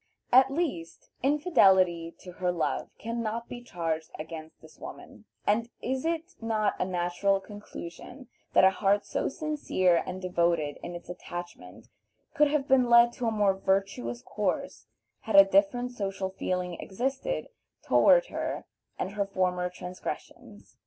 At least, infidelity to her love can not be charged against this woman, and is it not a natural conclusion that a heart so sincere and devoted in its attachment could have been led to a more virtuous course had a different social feeling existed toward her and her former transgressions?